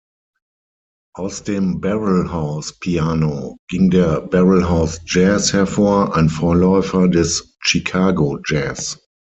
Aus dem "Barrelhouse Piano" ging der "Barrelhouse Jazz" hervor, ein Vorläufer des Chicago Jazz.